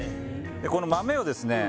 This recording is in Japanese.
この豆をですね